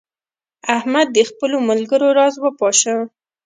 احمد د خپلو ملګرو راز وپاشه.